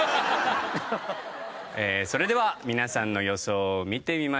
それでは皆さんの予想を見てみましょう。